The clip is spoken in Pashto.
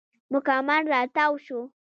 مکمل راتاو شو.